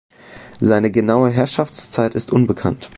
Seine genaue Herrschaftszeit ist unbekannt.